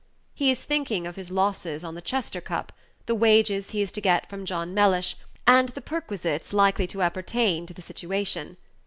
He is thinking of his losses on the Chester Cup, the wages he is to get from John Mellish, and the perquisites likely to appertain to the situation.